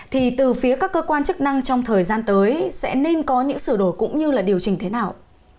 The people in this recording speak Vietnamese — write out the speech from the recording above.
thì từ phía các cơ quan chức năng trong thời gian tới sẽ nên có những sửa đổi cũng như là điều chỉnh thế nào